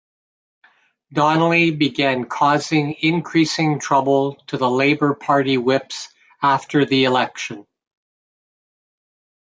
Donnelly began causing increasing trouble to the Labour Party whips after the election.